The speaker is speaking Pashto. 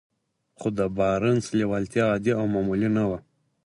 خو د بارنس لېوالتیا عادي او معمولي نه وه.